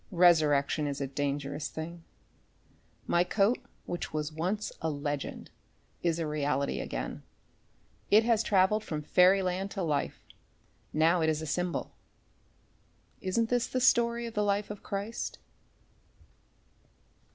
Resurrection is a dangerous thing. My coat which was once a legend is a reality again. It has travelled from fairy land to life. Now it is a symbol. Isn't this the story of the Life of Christ?